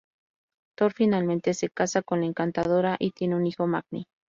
Thor finalmente se casa con la Encantadora y tiene un hijo, Magni.